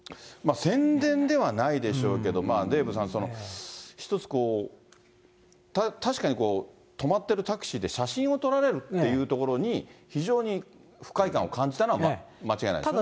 宣伝ではないでしょうけど、デーブさん、一つこう、確かにこう、止まってるタクシーで写真を撮られるっていうところに、非常に不快感を感じたのは間違いないですよね。